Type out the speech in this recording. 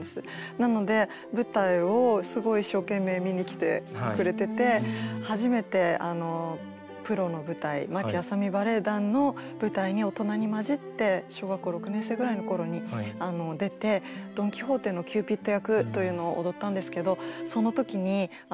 なので舞台をすごい一生懸命見に来てくれてて初めてプロの舞台牧阿佐美バレヱ団の舞台に大人に交じって小学校６年生ぐらいの頃に出て「ドン・キホーテ」のキューピッド役というのを踊ったんですけどその時にあこれですか？